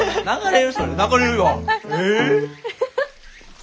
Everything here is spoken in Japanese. え？